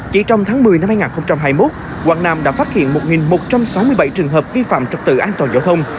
chỉ trong tháng một mươi năm hai nghìn hai mươi một quảng nam đã phát hiện một một trăm sáu mươi bảy trường hợp vi phạm trật tự an toàn giao thông